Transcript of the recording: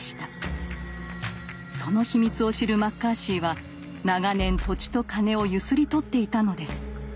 その秘密を知るマッカーシーは長年土地と金をゆすり取っていたのです。